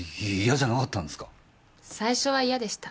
最初はイヤでした。